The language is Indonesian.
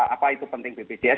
apa itu penting bpjs